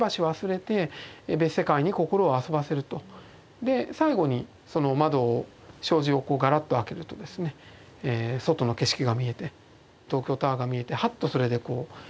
で最後にその窓を障子をガラッと開けるとですね外の景色が見えて東京タワーが見えてはっとそれで我に返るといいますか。